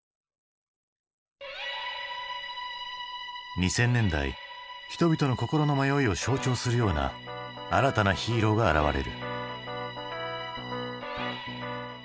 ２０００年代人々の心の迷いを象徴するような新たなヒーローが現れる。